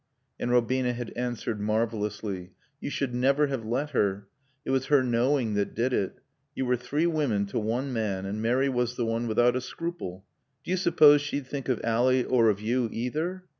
And Robina had answered, marvelously. "You should never have let her. It was her knowing that did it. You were three women to one man, and Mary was the one without a scruple. Do you suppose she'd think of Ally or of you, either?"